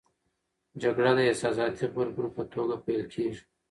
جګړه د احساساتي غبرګون په توګه پیل کېږي.